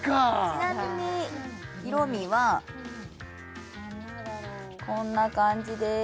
ちなみに色みはこんな感じです